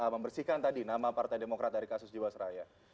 membersihkan tadi nama partai demokrat dari kasus jiwa seraya